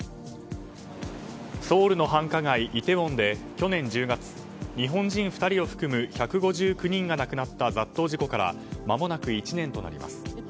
ソウルの繁華街イテウォンで去年１０月、日本人２人を含む１５９人が亡くなった雑踏事故から間もなく１年となります。